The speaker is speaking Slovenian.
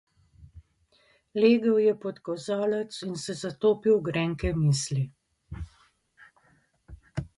Legel je pod kozolec in se zatopil v grenke misli.